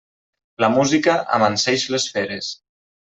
La música amanseix les feres.